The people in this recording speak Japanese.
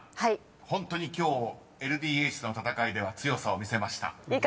ホントに今日ＬＤＨとの戦いでは強さを見せました］